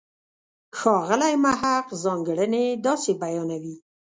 ښاغلی محق ځانګړنې داسې بیانوي.